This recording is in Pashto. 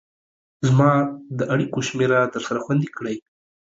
زما د اړيكو شمېره درسره خوندي کړئ